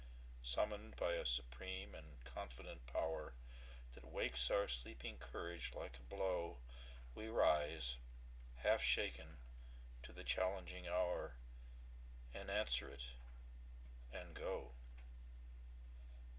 Summoned by a supreme and confident powerThat wakes our sleeping courage like a blow, We rise, half shaken, to the challenging hour, And answer it—and go.